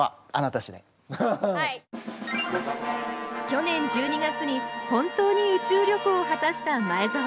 去年１２月に本当に宇宙旅行を果たした前澤さん。